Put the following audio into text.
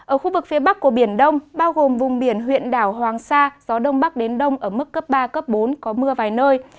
ở khu vực phía bắc của biển đông bao gồm vùng biển huyện đảo hoàng sa gió đông bắc đến đông ở mức cấp ba bốn có mưa vài nơi